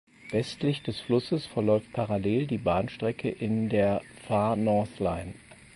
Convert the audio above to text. Westlich des Flusses verläuft parallel die Bahnstrecke der Far North Line.